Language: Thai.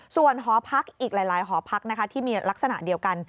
ส่วนหอพักอีกหลายหอพักนะคะที่มีลักษณะเดียวกัน